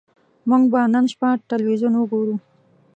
موږ به نن شپه ټلویزیون وګورو